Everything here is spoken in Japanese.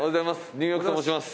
ニューヨークと申します。